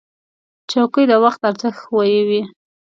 چوکۍ د وخت ارزښت ښووي.